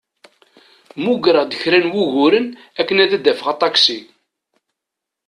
Mmugreɣ-d kra n wuguren akken ad d-afeɣ aṭaksi.